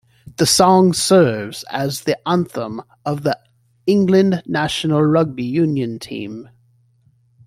The song serves as the anthem of the England national rugby union team.